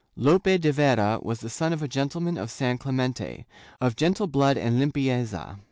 ^ Lope de Vera was the son of a gentleman of San Clemente, of gentle blood and limpieza.